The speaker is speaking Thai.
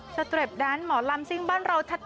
สเตรปแดนหมอลำซิ่งบ้านเราชัด